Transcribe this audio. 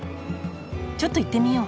ちょっと行ってみよう。